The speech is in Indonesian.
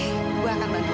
ya insya allah bu